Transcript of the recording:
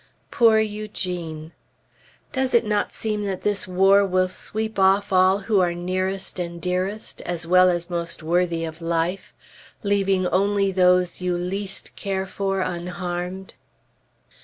Poor Eugene!... Does it not seem that this war will sweep off all who are nearest and dearest, as well as most worthy of life, leaving only those you least care for, unharmed?